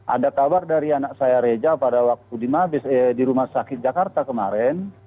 ada kabar dari anak saya reja pada waktu di rumah sakit jakarta kemarin